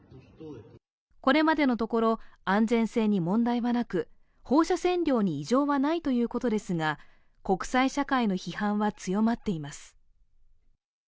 これまでのところ安全性に問題はなく、放射線量に異常はないということですが、国際社会の批判は強まっています。